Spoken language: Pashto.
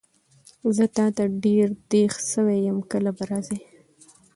زه تاته ډېر دیغ سوی یم کله به راځي؟